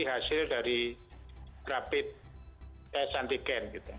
berhasil dari rapid tes antigen